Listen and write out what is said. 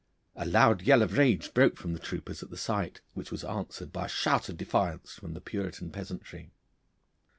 A loud yell of rage broke from the troopers at the sight, which was answered by a shout of defiance from the Puritan peasantry.